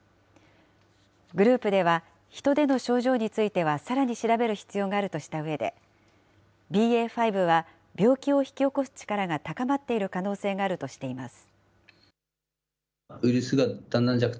グループでは、ヒトでの症状については、さらに調べる必要があるとしたうえで、ＢＡ．５は、病気を引き起こす力が高まっている可能性があるとしています。